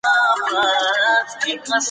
چای کافین لري خو نرم اغېز کوي.